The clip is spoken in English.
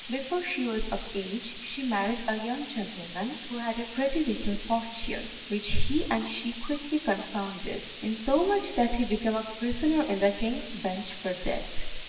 Before she was of age she married a young gentleman who had a pretty little fortune, which he and she quickly confounded; insomuch that he became a prisoner in the King's Bench for debt.